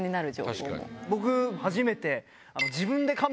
僕初めて。